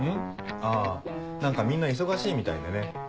あぁ何かみんな忙しいみたいでね。